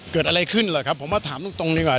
เกิดอะไรขึ้นเหรอครับผมว่าถามตรงดีกว่า